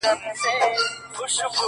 که يې منې زيارت ته راسه زما واده دی گلي